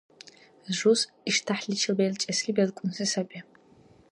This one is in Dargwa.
Жуз иштяхӀличил белчӀесли белкӀунси саби.